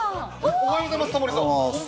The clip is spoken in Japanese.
おはようございます、タモリさん。